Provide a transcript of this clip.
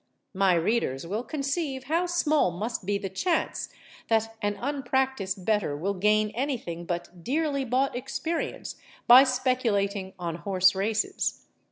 My readers will conceive how small must be the chance that an unpractised bettor will gain anything but dearly bought experience by speculating on horse races.